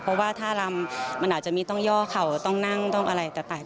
เพราะว่าท่ารำมันอาจจะมีต้องย่อเข่าต้องนั่งต้องอะไรต่าง